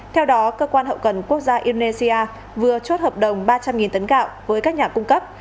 theo đó cơ quan hậu cần quốc gia indonesia vừa chốt hợp đồng ba trăm linh tấn gạo với các nhà cung cấp